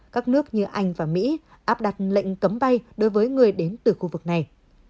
các nước như anh và mỹ áp đặt lệnh cấm bay đối với người đến từ khu vực này